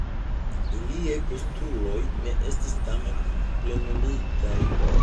Iliaj postuloj ne estis tamen plenumitaj.